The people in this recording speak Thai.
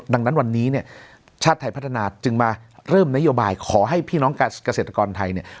ดังนั้นวันนี้เนี่ยชาติไทยพัฒนาจึงมาเริ่มนโยบายขอให้พี่น้องเกษตรกรไทยเนี่ย